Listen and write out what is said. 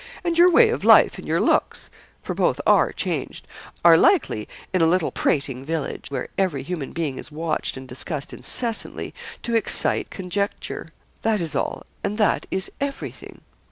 And your way of life and your looks for both are changed are likely, in a little prating village, where every human being is watched and discussed incessantly, to excite conjecture; that is all, and that is every thing.'